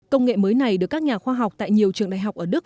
công nghệ mới này được các nhà khoa học tại nhiều trường đại học ở đức